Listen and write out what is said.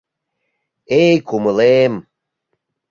Эй, кумылем!